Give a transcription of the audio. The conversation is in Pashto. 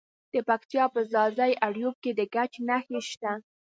د پکتیا په ځاځي اریوب کې د ګچ نښې شته.